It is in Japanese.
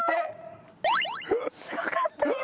すごかった今。